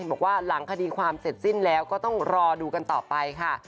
บอกว่าหลังคดีความเสร็จสิ้นแล้วก็ต้องรอดูกันต่อไปค่ะ